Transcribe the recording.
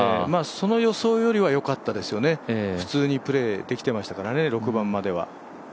その予想よりはよかったですよね、普通にプレーできてましたからね、６番までは。